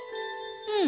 うん。